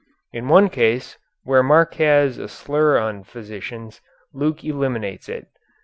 In one case, where Mark has a slur on physicians, Luke eliminates it.